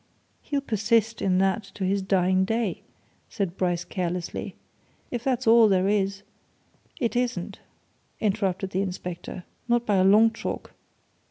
"He'll persist in that to his dying day," said Bryce carelessly. "If that's all there is " "It isn't," interrupted the inspector. "Not by a long chalk!